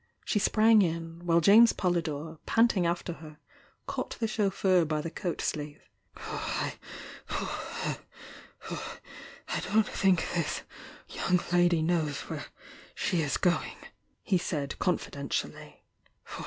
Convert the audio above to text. She sprang in, while James Polydore, panting after her, caught the chauffeur by the coat sleeve. "I don't think this young lady knows where she is going," he said, confidentially.